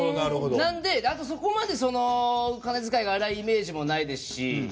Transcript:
あと、そこまで金遣いが荒いイメージもないですし。